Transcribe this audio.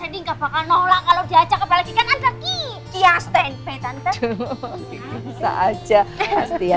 hedi nggak bakal nolak kalau diajak apalagi kan anda kia kia stentai tante bisa aja pasti ya